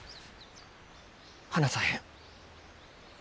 離さへん。